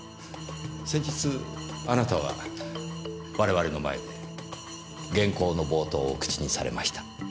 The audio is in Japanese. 先日あなたは我々の前で原稿の冒頭を口にされました。